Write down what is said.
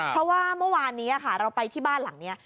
เพราะว่าเมื่อวานนี้ค่ะเราไปที่บ้านหลังนี้